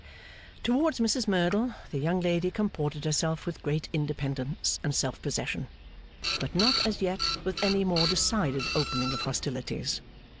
Towards Mrs Merdle, the young lady comported herself with great independence and self possession; but not as yet with any more decided opening of hostilities.